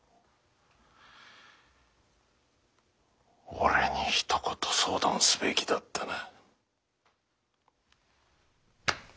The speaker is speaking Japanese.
俺にひと言相談すべきだったな。